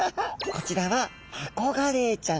こちらはマコガレイちゃん。